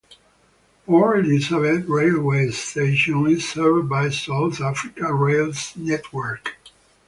Port Elizabeth railway station is served by South Africa's rail network.